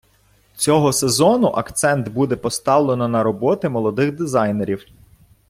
Цього сезону акцент буде поставлено на роботи молодих дизайнерів.